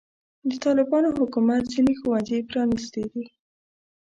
د طالبانو حکومت ځینې ښوونځي پرانستې دي.